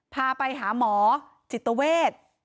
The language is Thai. พาไปหาหมอจิตเวท